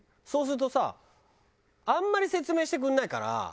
そうするとさあんまり説明してくれないから。